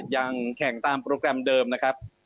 ยังแข่งตามโปรแกรมเดิมนะครับ